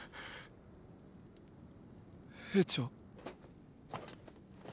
兵長？